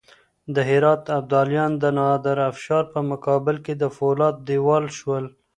د هرات ابدالیان د نادرافشار په مقابل کې د فولادو دېوال شول.